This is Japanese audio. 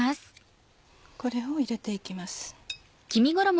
これを入れて行きます。